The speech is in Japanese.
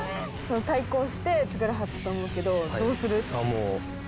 対抗して作らはったと思うけどどうする？